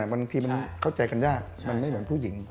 บางทีมันเข้าใจกันยากมันไม่เหมือนผู้หญิง